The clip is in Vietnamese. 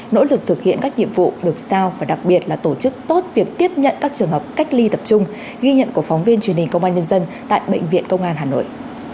nỗ lực thực hiện các nhiệm vụ được sao và đặc biệt là tổ chức tốt việc tiếp nhận các trường hợp cách ly tập trung ghi nhận của phóng viên truyền hình công an nhân dân tại bệnh viện công an hà nội